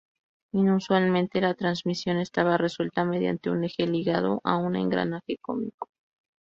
Inusualmente, la transmisión estaba resuelta mediante un eje ligado a un engranaje cónico.